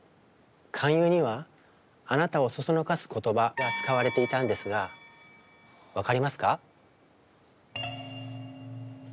勧誘にはあなたを唆す言葉が使われていたんですが分かりますか？